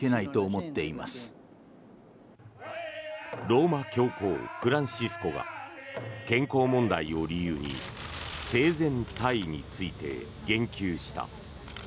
ローマ教皇フランシスコが健康問題を理由に生前退位について言及した。